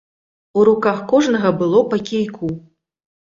У руках кожнага было па кійку.